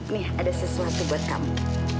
nih ada sesuatu buat kamu